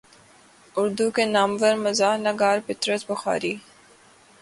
اردو کے نامور مزاح نگار پطرس بخاری